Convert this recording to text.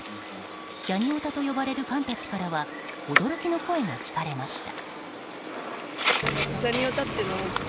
ジャニヲタと呼ばれるファンたちからは驚きの声が聞かれました。